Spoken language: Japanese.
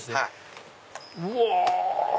うわ！